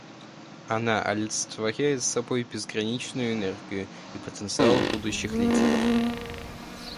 Она олицетворяет собой безграничную энергию и потенциал будущих лидеров.